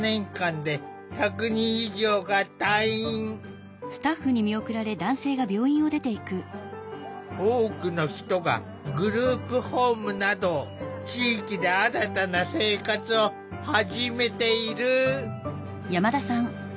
これまでに多くの人がグループホームなど地域で新たな生活を始めている。